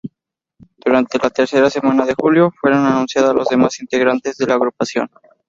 Durante la tercera semana de julio, fueron anunciadas las demás integrantes de la agrupación.